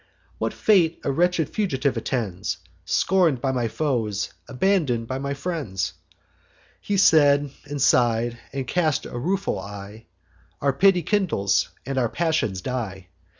What fate a wretched fugitive attends, Scorn'd by my foes, abandon'd by my friends?' He said, and sigh'd, and cast a rueful eye: Our pity kindles, and our passions die.